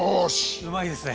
うまいですね！